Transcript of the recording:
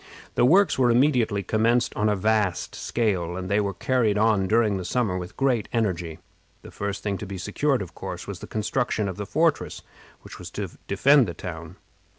The works were immediately commenced on a vast scale, and they were carried on during the summer with great energy. The first thing to be secured was, of course, the construction of the fortress which was to defend the town.